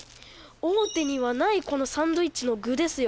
大手にはないこのサンドイッチの具ですよ